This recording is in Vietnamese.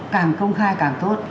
càng công khai càng tốt